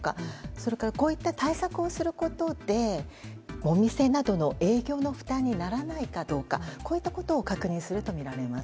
それからこういった対策をすることでお店などの営業の負担にならないかどうかこういったことを確認するとみられます。